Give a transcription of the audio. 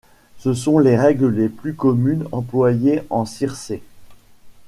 Ce sont les règles les plus communes employées en circé.